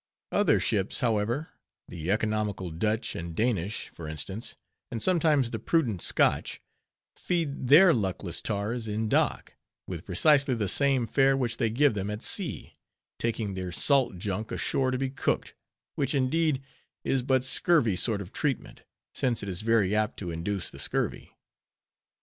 Other ships, however—the economical Dutch and Danish, for instance, and sometimes the prudent Scotch—feed their luckless tars in dock, with precisely the same fare which they give them at sea; taking their salt junk ashore to be cooked, which, indeed, is but scurvy sort of treatment, since it is very apt to induce the scurvy.